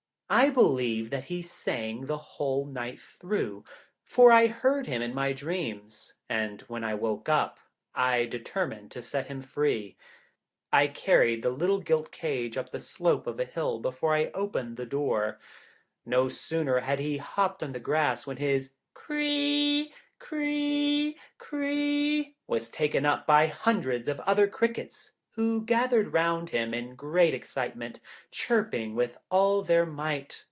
I believe that he sang the whole night through, for I heard him in my dreams; and when I woke I determined to set him free. I carried the little gilt cage up the slope of a hill before I opened the door. No sooner had he hopped on the grass, when his "Cree cree cree" was taken up by hundreds of other crickets, who gathered round him in great excitement, chirping with all their might.